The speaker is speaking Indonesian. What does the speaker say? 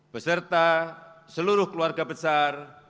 beserta seluruh keluarga besar